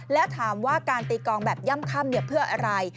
แล้วถามว่าการตีกองแบบย่ำเพื่ออะไร